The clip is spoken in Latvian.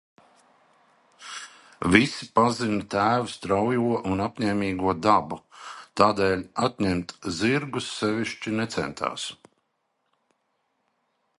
Visi pazina tēva straujo un apņēmīgo dabu, tādēļ atņemt zirgus sevišķi necentās.